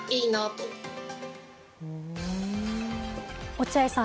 落合さん